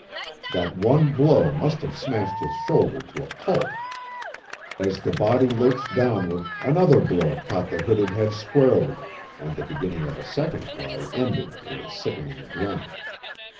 That one blow must have smashed his shoulder to a pulp. As the body lurched downward another blow caught the hooded head squarely and the beginning of a second cry ended in a sickening grunt.